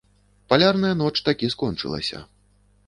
Палярная ноч такі скончылася.